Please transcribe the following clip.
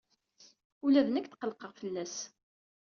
Ula d nekk tqellqeɣ fell-as.